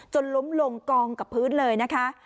ล้มลงกองกับพื้นเลยนะคะ